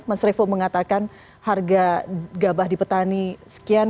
mas revo mengatakan harga gabah di petani sekian